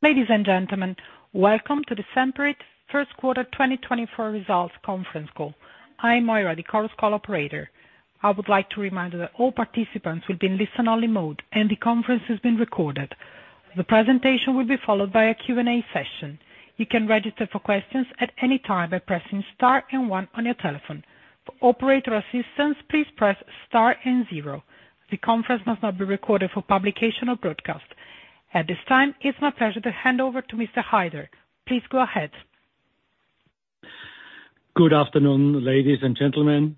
Ladies and gentlemen, welcome to the Semperit First Quarter 2024 Results Conference call. I'm Moira, the Chorus Call operator. I would like to remind you that all participants will be in listen-only mode, and the conference has been recorded. The presentation will be followed by a Q&A session. You can register for questions at any time by pressing star and 1 on your telephone. For operator assistance, please press star and 0. The conference must not be recorded for publication or broadcast. At this time, it's my pleasure to hand over to Mr. Haider. Please go ahead. Good afternoon, ladies and gentlemen,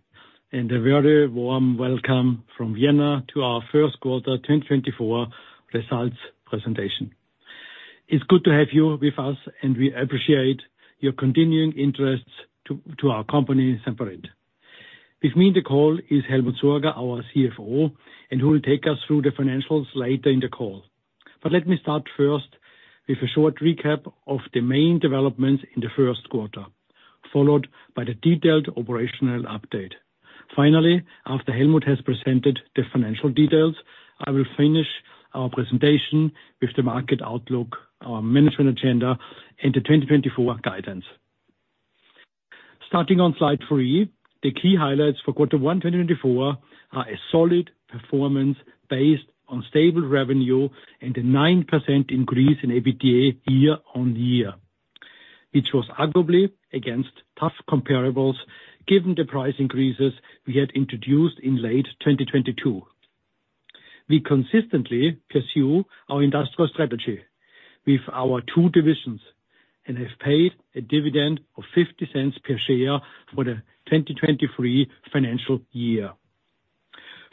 and a very warm welcome from Vienna to our First Quarter 2024 results presentation. It's good to have you with us, and we appreciate your continuing interest to our company, Semperit. With me in the call is Helmut Sorger, our CFO, and who will take us through the financials later in the call. But let me start first with a short recap of the main developments in the first quarter, followed by the detailed operational update. Finally, after Helmut has presented the financial details, I will finish our presentation with the market outlook, our management agenda, and the 2024 guidance. Starting on slide 3, the key highlights for Quarter 1 2024 are a solid performance based on stable revenue and a 9% increase in EBITDA year-on-year, which was arguably against tough comparables given the price increases we had introduced in late 2022. We consistently pursue our industrial strategy with our two divisions and have paid a dividend of 0.50 per share for the 2023 financial year.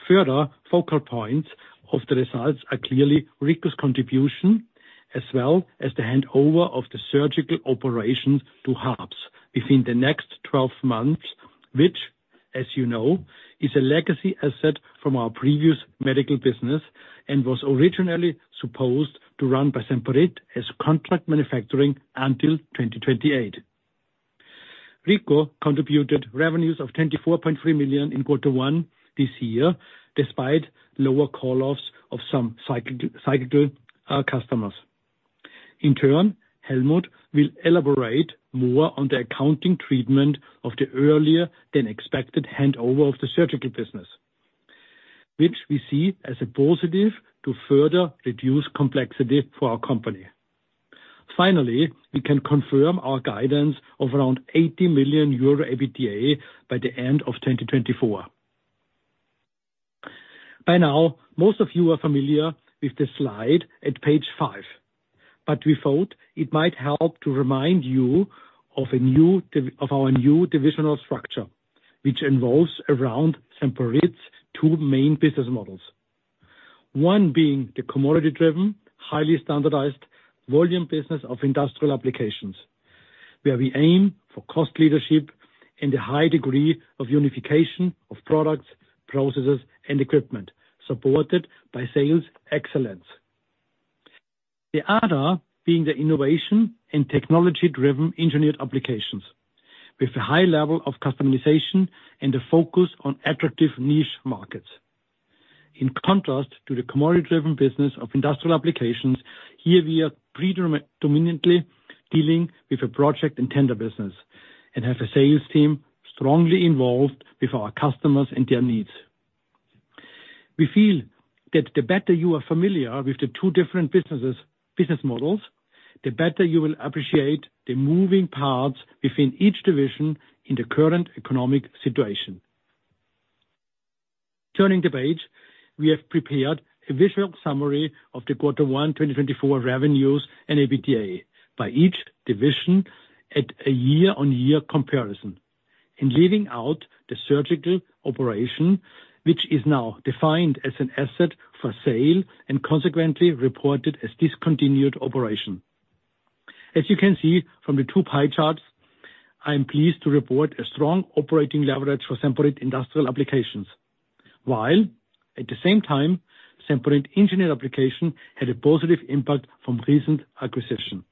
Further focal points of the results are clearly RICO's contribution, as well as the handover of the surgical operations to Harps within the next 12 months, which, as you know, is a legacy asset from our previous medical business and was originally supposed to run by Semperit as contract manufacturing until 2028. RICO contributed revenues of 24.3 million in Quarter 1 this year, despite lower call-offs of some cyclical customers. In turn, Helmut will elaborate more on the accounting treatment of the earlier-than-expected handover of the surgical business, which we see as a positive to further reduce complexity for our company. Finally, we can confirm our guidance of around 80 million euro EBITDA by the end of 2024. By now, most of you are familiar with the slide at page 5, but we thought it might help to remind you of our new divisional structure, which revolves around Semperit's two main business models, one being the commodity-driven, highly standardized volume business of industrial applications, where we aim for cost leadership and a high degree of unification of products, processes, and equipment supported by sales excellence. The other being the innovation and technology-driven engineered applications, with a high level of customization and a focus on attractive niche markets. In contrast to the commodity-driven business of industrial applications, here we are predominantly dealing with a project and tender business and have a sales team strongly involved with our customers and their needs. We feel that the better you are familiar with the two different business models, the better you will appreciate the moving parts within each division in the current economic situation. Turning the page, we have prepared a visual summary of the Quarter 1 2024 revenues and EBITDA by each division at a year-over-year comparison, and leaving out the surgical operation, which is now defined as an asset for sale and consequently reported as discontinued operation. As you can see from the two pie charts, I am pleased to report a strong operating leverage for Semperit Industrial Applications, while, at the same time, Semperit Engineered Applications had a positive impact from recent acquisition.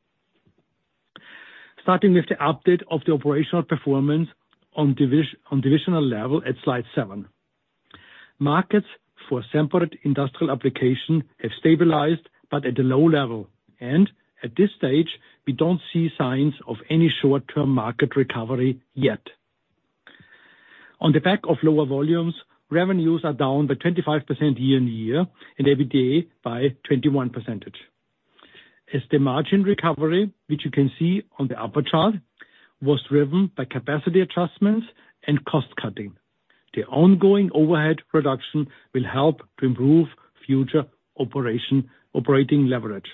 Starting with the update of the operational performance on divisional level at slide 7, markets for Semperit Industrial Applications have stabilized but at a low level, and at this stage, we don't see signs of any short-term market recovery yet. On the back of lower volumes, revenues are down by 25% year-on-year and EBITDA by 21%. As the margin recovery, which you can see on the upper chart, was driven by capacity adjustments and cost cutting, the ongoing overhead reduction will help to improve future operating leverage.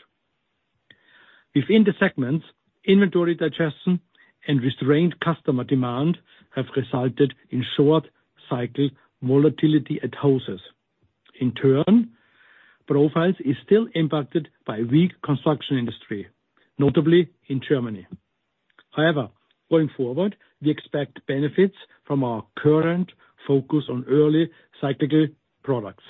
Within the segments, inventory digestion and restrained customer demand have resulted in short-cycle volatility at hoses. In turn, profiles are still impacted by a weak construction industry, notably in Germany. However, going forward, we expect benefits from our current focus on early cyclical products.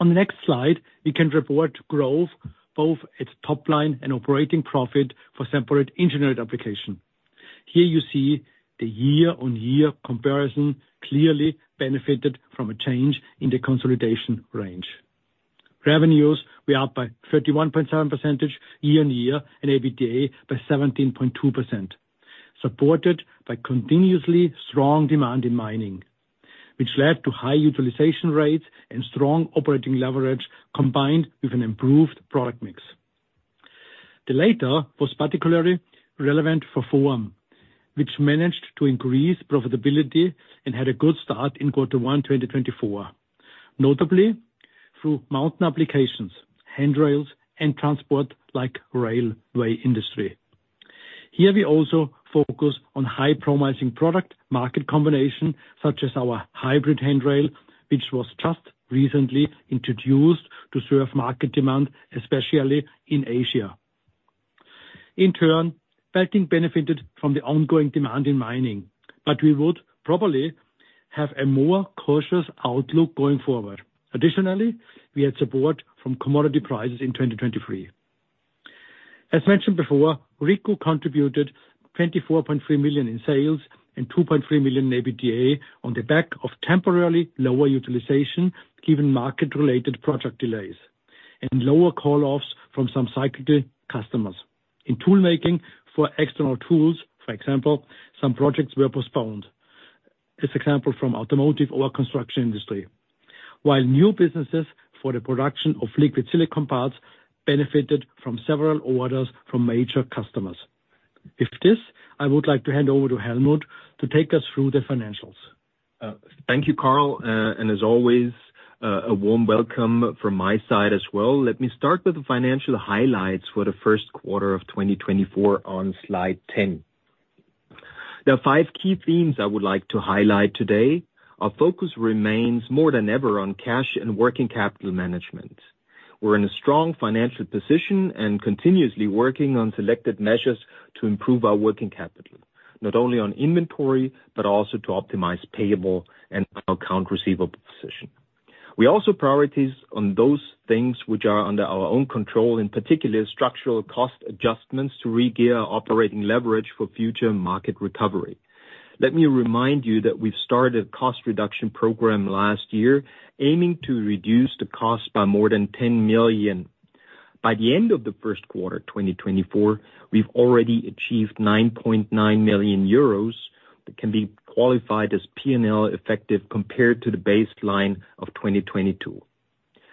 On the next slide, we can report growth both at top line and operating profit for Semperit Engineered Applications. Here you see the year-on-year comparison clearly benefited from a change in the consolidation range. Revenues, we are up by 31.7% year-on-year and EBITDA by 17.2%, supported by continuously strong demand in mining, which led to high utilization rates and strong operating leverage combined with an improved product mix. The latter was particularly relevant for FOAM, which managed to increase profitability and had a good start in Quarter 1 2024, notably through mountain applications, handrails, and transport-like railway industry. Here we also focus on highly promising product-market combinations such as our hybrid handrail, which was just recently introduced to serve market demand, especially in Asia. In turn, belting benefited from the ongoing demand in mining, but we would probably have a more cautious outlook going forward. Additionally, we had support from commodity prices in 2023. As mentioned before, RICO contributed 24.3 million in sales and 2.3 million in EBITDA on the back of temporarily lower utilization given market-related project delays and lower call-offs from some cyclical customers. In toolmaking for external tools, for example, some projects were postponed, as example from automotive or construction industry, while new businesses for the production of liquid silicone parts benefited from several orders from major customers. With this, I would like to hand over to Helmut to take us through the financials. Thank you, Karl. As always, a warm welcome from my side as well. Let me start with the financial highlights for the first quarter of 2024 on slide 10. There are 5 key themes I would like to highlight today. Our focus remains more than ever on cash and working capital management. We're in a strong financial position and continuously working on selected measures to improve our working capital, not only on inventory but also to optimize payable and account receivable position. We also prioritize on those things which are under our own control, in particular structural cost adjustments to regear operating leverage for future market recovery. Let me remind you that we've started a cost reduction program last year aiming to reduce the cost by more than 10 million. By the end of the first quarter 2024, we've already achieved 9.9 million euros that can be qualified as P&L effective compared to the baseline of 2022.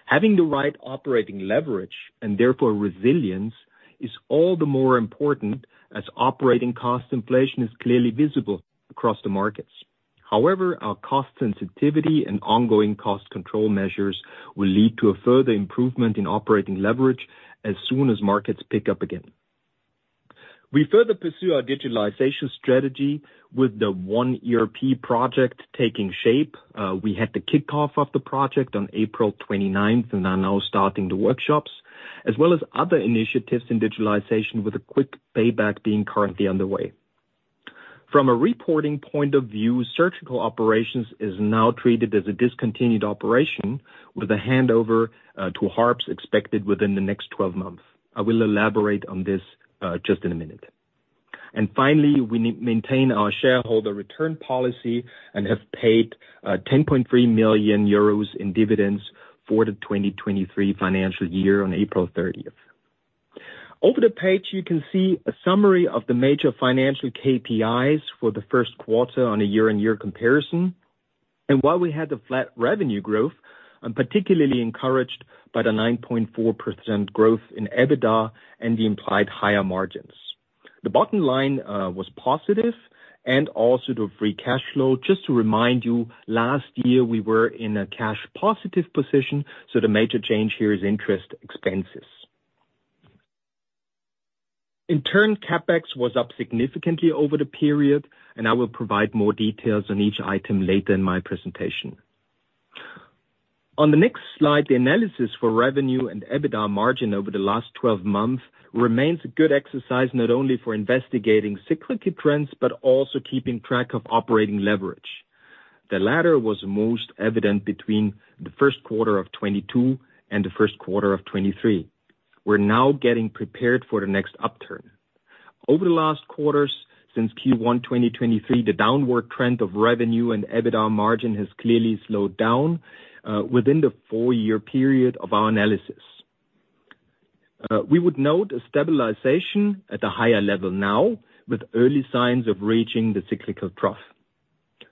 Having the right operating leverage and therefore resilience is all the more important as operating cost inflation is clearly visible across the markets. However, our cost sensitivity and ongoing cost control measures will lead to a further improvement in operating leverage as soon as markets pick up again. We further pursue our digitalization strategy with the One ERP project taking shape. We had the kickoff of the project on April 29th and are now starting the workshops, as well as other initiatives in digitalization with a quick payback being currently underway. From a reporting point of view, surgical operations are now treated as a discontinued operation, with a handover to Harps expected within the next 12 months. I will elaborate on this just in a minute. Finally, we maintain our shareholder return policy and have paid 10.3 million euros in dividends for the 2023 financial year on April 30th. Over the page, you can see a summary of the major financial KPIs for the first quarter on a year-on-year comparison. And while we had the flat revenue growth, I'm particularly encouraged by the 9.4% growth in EBITDA and the implied higher margins. The bottom line was positive and also the free cash flow. Just to remind you, last year we were in a cash positive position, so the major change here is interest expenses. In turn, Capex was up significantly over the period, and I will provide more details on each item later in my presentation. On the next slide, the analysis for revenue and EBITDA margin over the last 12 months remains a good exercise not only for investigating cyclical trends but also keeping track of operating leverage. The latter was most evident between the first quarter of 2022 and the first quarter of 2023. We're now getting prepared for the next upturn. Over the last quarters since Q1 2023, the downward trend of revenue and EBITDA margin has clearly slowed down within the four-year period of our analysis. We would note a stabilization at a higher level now with early signs of reaching the cyclical trough.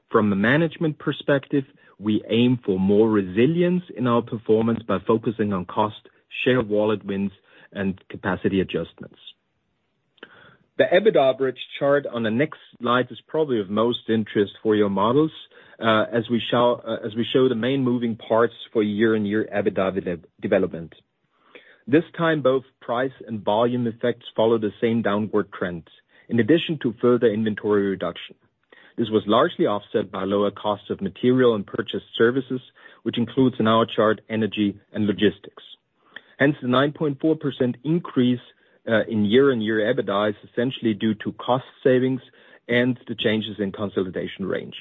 From a management perspective, we aim for more resilience in our performance by focusing on cost, share wallet wins, and capacity adjustments. The EBITDA average chart on the next slide is probably of most interest for your models as we show the main moving parts for year-on-year EBITDA development. This time, both price and volume effects follow the same downward trend in addition to further inventory reduction. This was largely offset by lower costs of material and purchased services, which includes in our chart energy and logistics. Hence, the 9.4% increase in year-on-year EBITDA is essentially due to cost savings and the changes in consolidation range.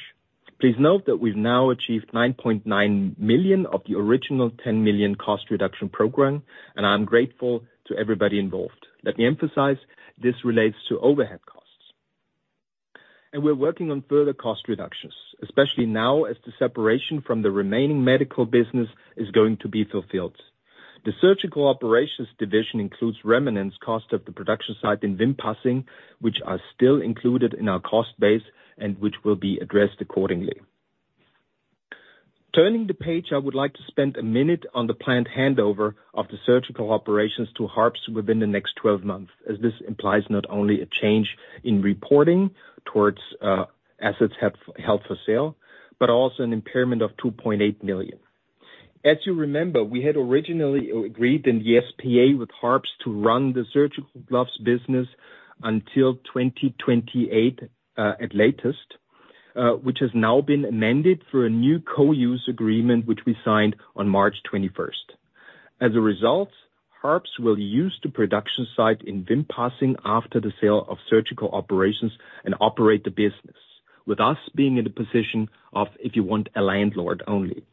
Please note that we've now achieved 9.9 million of the original 10 million cost reduction program, and I'm grateful to everybody involved. Let me emphasize, this relates to overhead costs. We're working on further cost reductions, especially now as the separation from the remaining medical business is going to be fulfilled. The surgical operations division includes remanence cosst of the production site in Wimpassing, which are still included in our cost base and which will be addressed accordingly. Turning the page, I would like to spend a minute on the planned handover of the surgical operations to Harps within the next 12 months, as this implies not only a change in reporting towards assets held for sale but also an impairment of 2.8 million. As you remember, we had originally agreed in the SPA with Harps to run the surgical gloves business until 2028 at latest, which has now been amended for a new co-use agreement which we signed on March 21st. As a result, Harps will use the production site in Wimpassing after the sale of surgical operations and operate the business, with us being in the position of, if you want, a landlord only.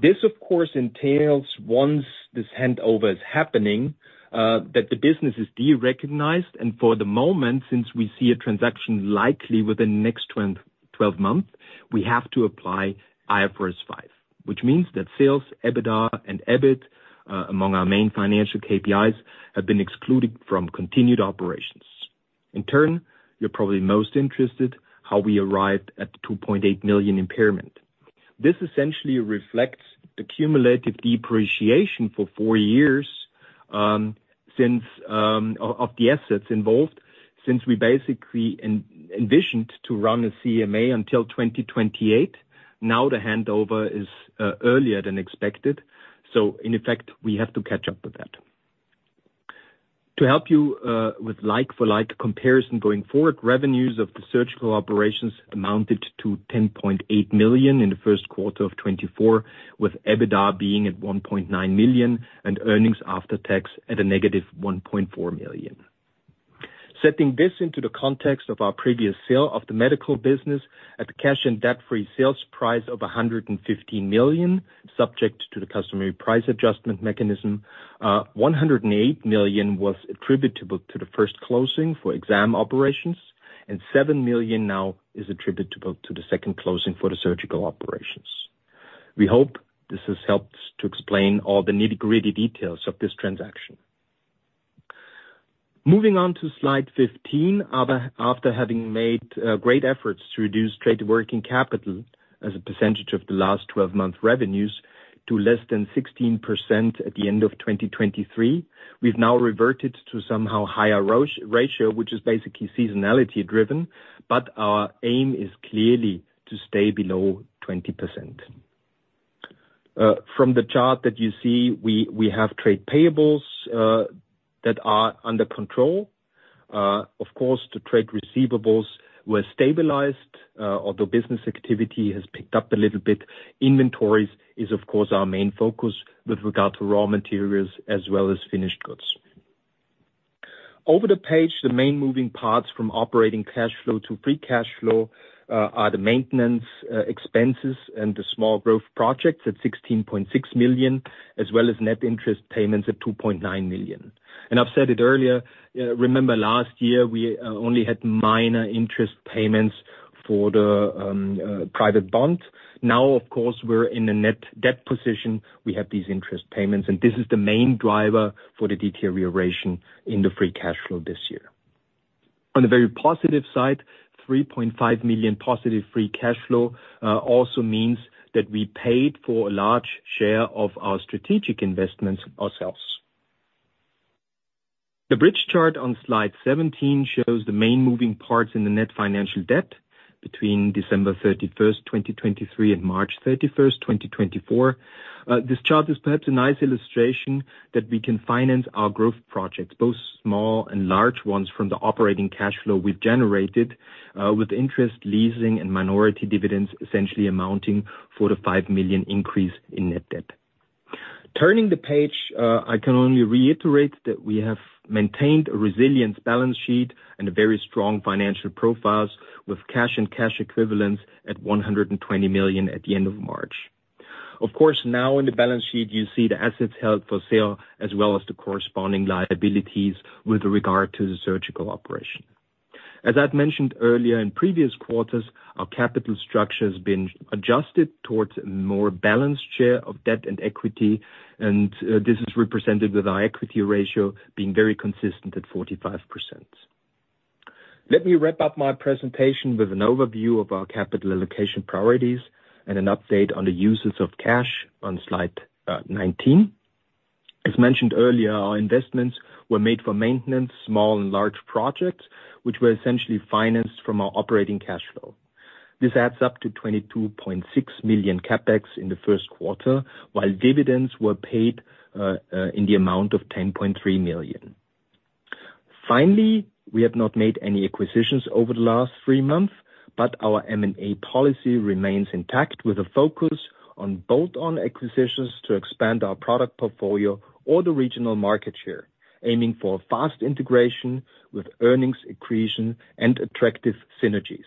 This, of course, entails, once this handover is happening, that the business is de-recognized. And for the moment, since we see a transaction likely within the next 12 months, we have to apply IFRS 5, which means that sales, EBITDA, and EBIT, among our main financial KPIs, have been excluded from continued operations. In turn, you're probably most interested in how we arrived at the 2.8 million impairment. This essentially reflects the cumulative depreciation for 4 years of the assets involved since we basically envisioned to run a CMA until 2028. Now the handover is earlier than expected. So, in effect, we have to catch up with that. To help you with like-for-like comparison going forward, revenues of the surgical operations amounted to 10.8 million in the first quarter of 2024, with EBITDA being at 1.9 million and earnings after tax at -1.4 million. Setting this into the context of our previous sale of the medical business at the cash and debt-free sales price of 115 million, subject to the customary price adjustment mechanism, 108 million was attributable to the first closing for exam operations, and 7 million now is attributable to the second closing for the surgical operations. We hope this has helped to explain all the nitty-gritty details of this transaction. Moving on to slide 15, after having made great efforts to reduce trade working capital as a percentage of the last 12 months' revenues to less than 16% at the end of 2023, we've now reverted to somehow higher ratio, which is basically seasonality-driven, but our aim is clearly to stay below 20%. From the chart that you see, we have trade payables that are under control. Of course, the trade receivables were stabilized, although business activity has picked up a little bit. Inventories are, of course, our main focus with regard to raw materials as well as finished goods. Over the page, the main moving parts from operating cash flow to free cash flow are the maintenance expenses and the small growth projects at 16.6 million, as well as net interest payments at 2.9 million. I've said it earlier, remember last year we only had minor interest payments for the private bond. Now, of course, we're in a net debt position. We have these interest payments, and this is the main driver for the deterioration in the free cash flow this year. On the very positive side, 3.5 million positive free cash flow also means that we paid for a large share of our strategic investments ourselves. The bridge chart on slide 17 shows the main moving parts in the net financial debt between December 31st, 2023, and March 31st, 2024. This chart is perhaps a nice illustration that we can finance our growth projects, both small and large ones, from the operating cash flow we've generated, with interest, leasing, and minority dividends essentially amounting to the 5 million increase in net debt. Turning the page, I can only reiterate that we have maintained a resilient balance sheet and very strong financial profiles with cash and cash equivalents at 120 million at the end of March. Of course, now in the balance sheet, you see the assets held for sale as well as the corresponding liabilities with regard to the surgical operation. As I've mentioned earlier, in previous quarters, our capital structure has been adjusted towards a more balanced share of debt and equity, and this is represented with our equity ratio being very consistent at 45%. Let me wrap up my presentation with an overview of our capital allocation priorities and an update on the uses of cash on slide 19. As mentioned earlier, our investments were made for maintenance, small and large projects, which were essentially financed from our operating cash flow. This adds up to 22.6 million CapEx in the first quarter, while dividends were paid in the amount of 10.3 million. Finally, we have not made any acquisitions over the last three months, but our M&A policy remains intact with a focus on bolt-on acquisitions to expand our product portfolio or the regional market share, aiming for fast integration with earnings accretion and attractive synergies.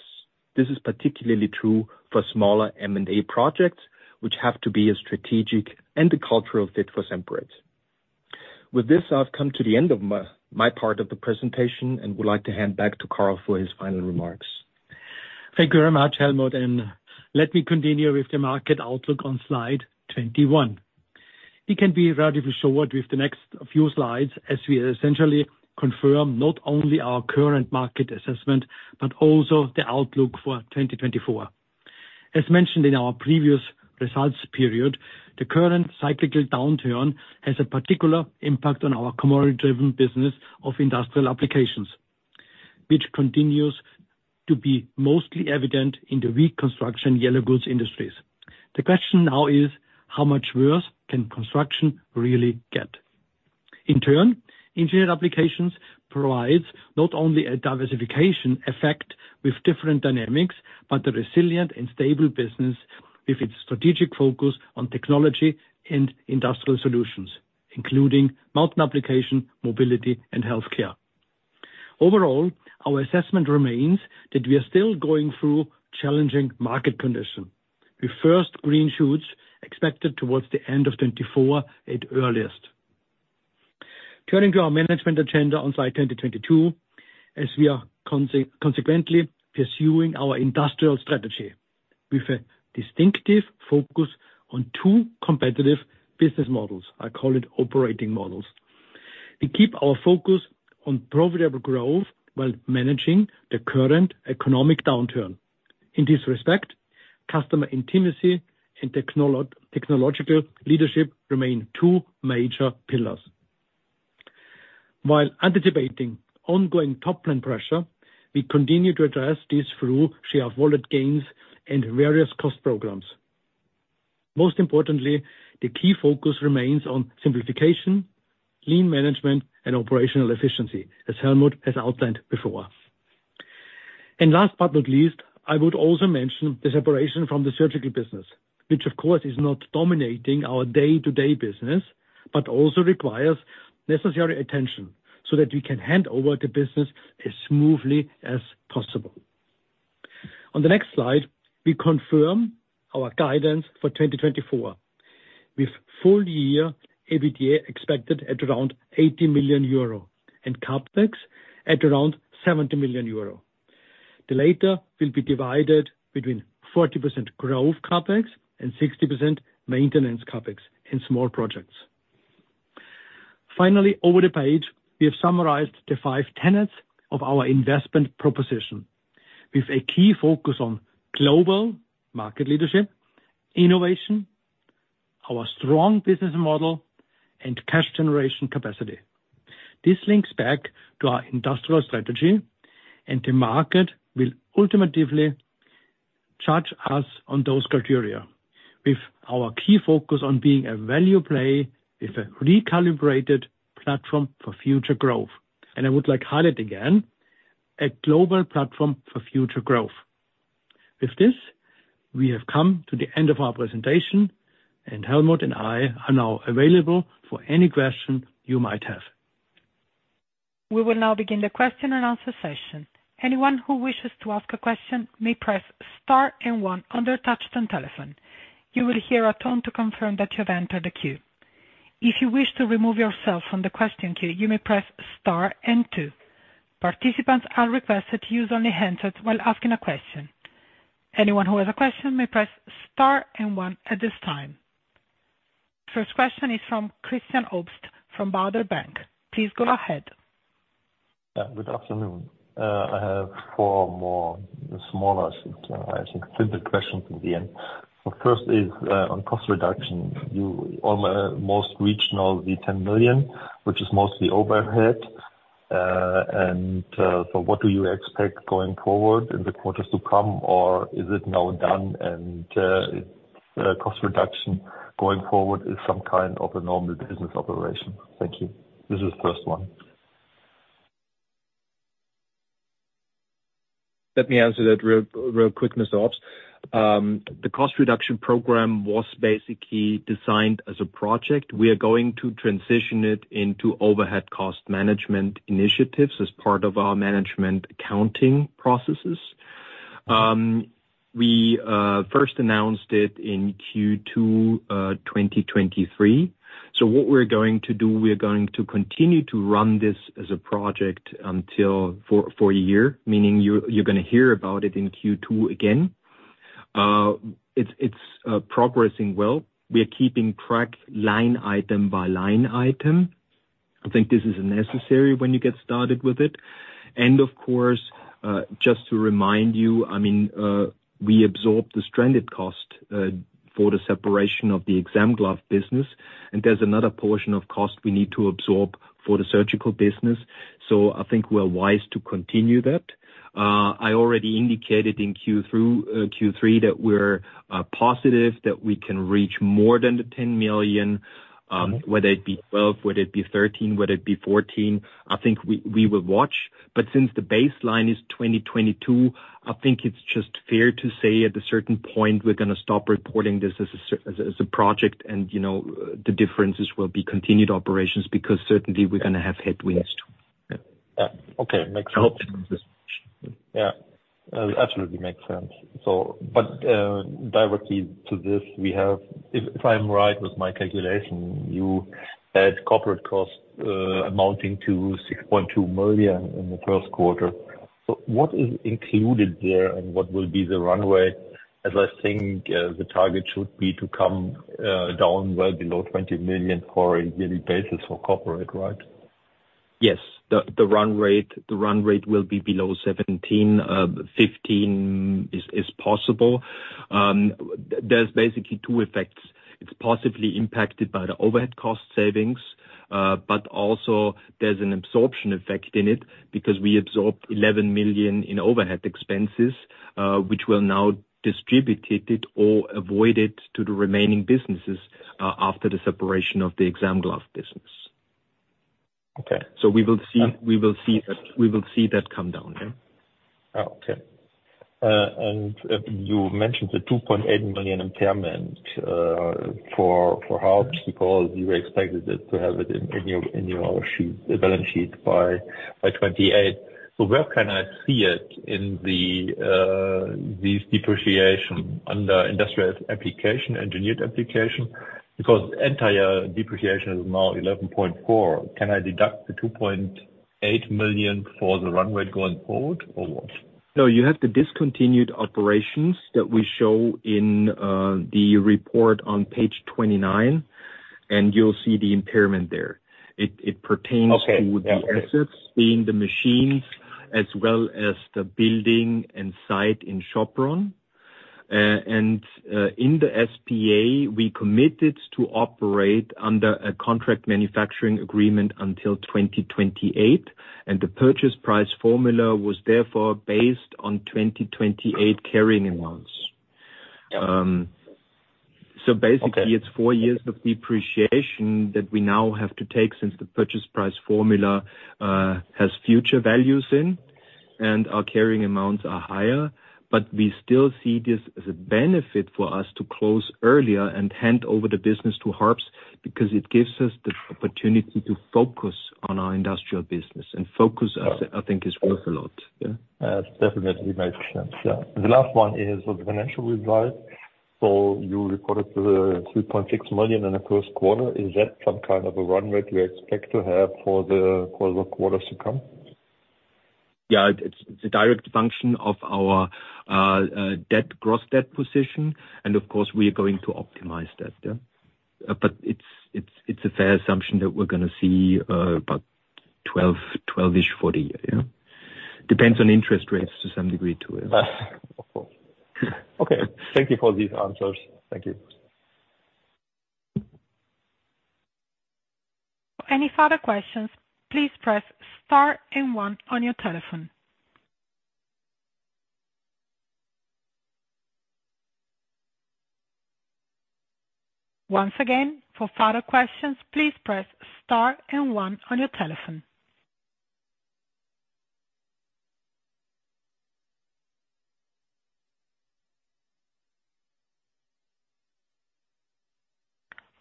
This is particularly true for smaller M&A projects, which have to be a strategic and a cultural fit for Semperit. With this, I've come to the end of my part of the presentation and would like to hand back to Karl for his final remarks. Thank you very much, Helmut. Let me continue with the market outlook on slide 21. It can be relatively short with the next few slides as we essentially confirm not only our current market assessment but also the outlook for 2024. As mentioned in our previous results period, the current cyclical downturn has a particular impact on our commodity-driven business of industrial applications, which continues to be mostly evident in the weak construction yellow goods industries. The question now is, how much worse can construction really get? In turn, engineered applications provide not only a diversification effect with different dynamics but a resilient and stable business with its strategic focus on technology and industrial solutions, including mountain application, mobility, and healthcare. Overall, our assessment remains that we are still going through challenging market conditions with first green shoots expected towards the end of 2024 at earliest. Turning to our management agenda on slide 20, 22, as we are consequently pursuing our industrial strategy with a distinctive focus on two competitive business models, I call it operating models. We keep our focus on profitable growth while managing the current economic downturn. In this respect, customer intimacy and technological leadership remain two major pillars. While anticipating ongoing top-line pressure, we continue to address this through share of wallet gains and various cost programs. Most importantly, the key focus remains on simplification, lean management, and operational efficiency, as Helmut has outlined before. Last but not least, I would also mention the separation from the surgical business, which, of course, is not dominating our day-to-day business but also requires necessary attention so that we can hand over the business as smoothly as possible. On the next slide, we confirm our guidance for 2024 with full-year EBITDA expected at around 80 million euro and Capex at around 70 million euro. The latter will be divided between 40% growth Capex and 60% maintenance Capex in small projects. Finally, over the page, we have summarized the five tenets of our investment proposition with a key focus on global market leadership, innovation, our strong business model, and cash generation capacity. This links back to our industrial strategy, and the market will ultimately judge us on those criteria with our key focus on being a value play with a recalibrated platform for future growth. And I would like to highlight again, a global platform for future growth. With this, we have come to the end of our presentation, and Helmut and I are now available for any question you might have. We will now begin the question-and-answer session. Anyone who wishes to ask a question may press star and one on their touchscreen telephone. You will hear a tone to confirm that you have entered the queue. If you wish to remove yourself from the question queue, you may press star and two. Participants are requested to use only hands while asking a question. Anyone who has a question may press star and one at this time. First question is from Cristian Obst from Baader Bank. Please go ahead. Good afternoon. I have four more smaller, I think, simple questions at the end. The first is on cost reduction. You almost reached now the 10 million, which is mostly overhead. And so what do you expect going forward in the quarters to come, or is it now done, and cost reduction going forward is some kind of a normal business operation? Thank you. This is the first one. Let me answer that real quick, Mr. Obst. The cost reduction program was basically designed as a project. We are going to transition it into overhead cost management initiatives as part of our management accounting processes. We first announced it in Q2 2023. So what we're going to do, we are going to continue to run this as a project for a year, meaning you're going to hear about it in Q2 again. It's progressing well. We are keeping track line item by line item. I think this is necessary when you get started with it. And of course, just to remind you, I mean, we absorbed the stranded cost for the separation of the exam glove business, and there's another portion of cost we need to absorb for the surgical business. So I think we are wise to continue that. I already indicated in Q3 that we're positive that we can reach more than 10 million, whether it be 12 million, whether it be 13 million, whether it be 14 million. I think we will watch. But since the baseline is 2022, I think it's just fair to say at a certain point, we're going to stop reporting this as a project, and the differences will be continued operations because certainly, we're going to have headwinds too. Okay. Makes sense. Yeah. Absolutely makes sense. But directly to this, if I'm right with my calculation, you had corporate costs amounting to 6.2 million in the first quarter. So what is included there, and what will be the runway? As I think the target should be to come down well below 20 million for a yearly basis for corporate, right? Yes. The runway will be below 17. 15 is possible. There's basically two effects. It's possibly impacted by the overhead cost savings, but also there's an absorption effect in it because we absorbed 11 million in overhead expenses, which will now distribute it or avoid it to the remaining businesses after the separation of the exam glove business. So we will see that we will see that come down. Yeah. Okay. And you mentioned the 2.8 million impairment for health, because you were expected to have it in your balance sheet by 2028. So where can I see it in this depreciation under industrial application, engineered application? Because the entire depreciation is now 11.4. Can I deduct the 2.8 million for the runway going forward, or what? No, you have the discontinued operations that we show in the report on page 29, and you'll see the impairment there. It pertains to the assets being the machines as well as the building and site in Sopron. In the SPA, we committed to operate under a contract manufacturing agreement until 2028, and the purchase price formula was therefore based on 2028 carrying amounts. So basically, it's four years of depreciation that we now have to take since the purchase price formula has future values in, and our carrying amounts are higher. But we still see this as a benefit for us to close earlier and hand over the business to Harps because it gives us the opportunity to focus on our industrial business. Focus, I think, is worth a lot. Yeah. That definitely makes sense. Yeah. The last one is for the financial result. So you reported 3.6 million in the first quarter. Is that some kind of a runway you expect to have for the quarters to come? Yeah. It's a direct function of our gross debt position. And of course, we are going to optimize that. Yeah. But it's a fair assumption that we're going to see about 12-ish for the year. Yeah. Depends on interest rates to some degree too. Of course. Okay. Thank you for these answers. Thank you. For any further questions, please press star and one on your telephone. Once again, for further questions, please press star and one on your telephone.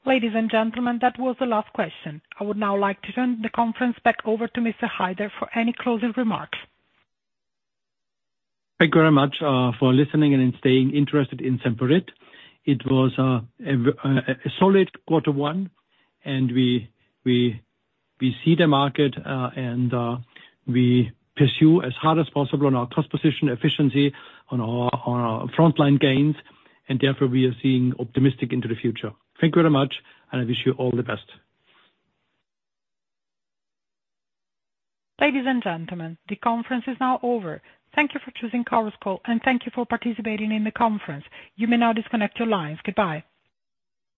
Ladies and gentlemen, that was the last question. I would now like to turn the conference back over to Mr. Haider for any closing remarks. Thank you very much for listening and staying interested in Semperit. It was a solid quarter one, and we see the market, and we pursue as hard as possible on our cost position, efficiency, on our frontline gains. And therefore, we are seeing optimistic into the future. Thank you very much, and I wish you all the best. Ladies and gentlemen, the conference is now over. Thank you for choosing Chorus Call, and thank you for participating in the conference. You may now disconnect your lines. Goodbye.